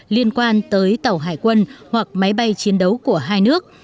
liên quan tới tàu hải quân hoặc máy bay chiến đấu của hai nước